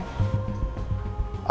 aarakmu sudah cinta makannya ya ember